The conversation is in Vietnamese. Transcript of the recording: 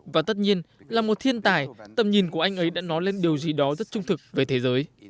và tất nhiên là một thiên tài tầm nhìn của anh ấy đã nói lên điều gì đó rất trung thực về thế giới